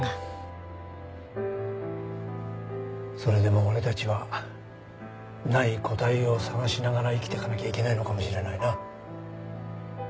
それでも俺たちはない答えを探しながら生きていかなきゃいけないのかもしれないな。